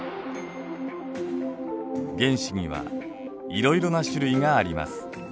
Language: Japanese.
原子にはいろいろな種類があります。